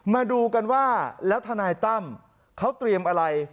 มาดูกันว่าแล้วทนายตั้มเขาเตรียมอะไร